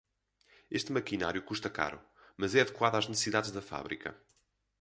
Esse maquinário custa caro, mas é adequado às necessidades da fábrica